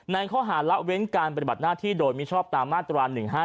ในข้อหาละเว้นการปฏิบัติหน้าที่โดยมิชอบตามมาตรา๑๕๗